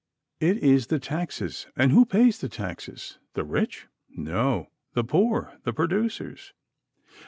It is the taxes. And who pay the taxes the rich? No, the poor, the producers.